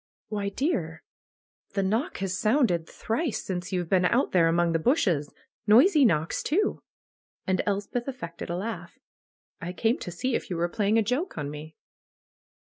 ''Why, dear, the knock has sounded thrice since you've been out there among the bushes; noisy knocks, too!" and Elspeth affected a laugh. "I came to see if you were playing a joke on me."